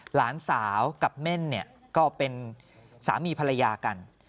หลานสาวกับเม่นเนี่ยก็เป็นสามีภรรยากัน